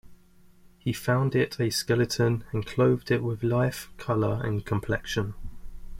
He found it a skeleton and clothed it with life, colour and complexion.